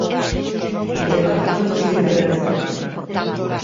Vinte e catro puntos de diferenza.